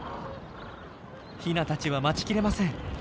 ヒナたちは待ちきれません。